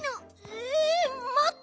えまって！